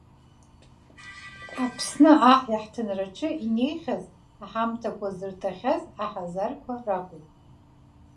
Аԥсны аҳ иаҳҭынраҿы инеихьаз, аҳамҭақәа зырҭахьаз аҳазарқәа ракәын.